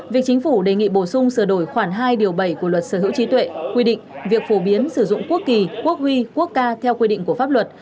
việc chính phủ đề nghị bổ sung sửa đổi khoảng hai điều bảy của luật sở hữu trí tuệ quy định việc phổ biến sử dụng quốc kỳ quốc huy quốc ca theo quy định của pháp luật